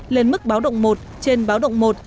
lên mức báo động một trên báo động một